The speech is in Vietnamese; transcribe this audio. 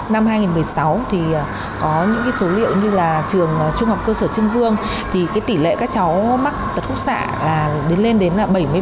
năm hai nghìn một mươi sáu có những số liệu như trường trung học cơ sở trương vương tỷ lệ các cháu mắc tật khúc xạ lên đến bảy mươi bảy một